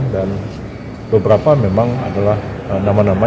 dan beberapa memang adalah nama nama